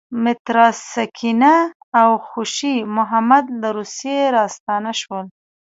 متراسینکه او خوشی محمد له روسیې راستانه شول.